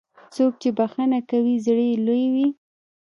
څوک چې بښنه کوي، زړه یې لوی وي.